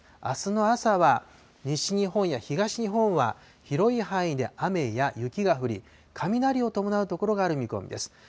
あすの朝は、西日本や東日本は広い範囲で雨や雪が降り、雷を伴う所がある見込みです。